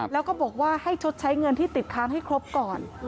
แล้วก็บอกว่าให้ชดใช้เงินที่ติดค้างให้ครบก่อน